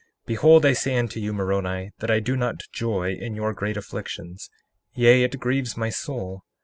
Behold, I say unto you, Moroni, that I do not joy in your great afflictions, yea, it grieves my soul.